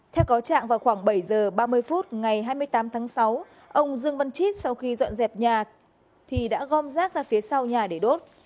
theo cáo trạng vào khoảng bảy giờ ba mươi phút ngày hai mươi tám tháng sáu ông dương văn chít sau khi dọn dẹp nhà thì đã gom rác ra phía sau nhà để đốt